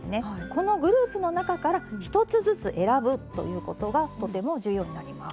このグループの中から１つずつ選ぶということがとても重要になります。